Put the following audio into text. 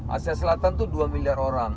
asia selatan itu dua miliar orang